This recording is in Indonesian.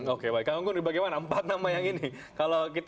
oke baik kang unggun bagaimana empat nama yang ini